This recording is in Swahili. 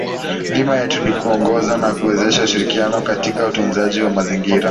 Dhima yetu ni kuongoza na kuwezesha ushirikiano katika utunzaji wa mazingira